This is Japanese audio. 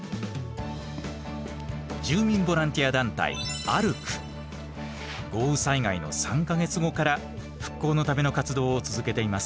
住民ボランティア団体豪雨災害の３か月後から復興のための活動を続けています。